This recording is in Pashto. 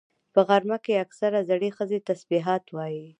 په غرمه کې اکثره زړې ښځې تسبيحات وایي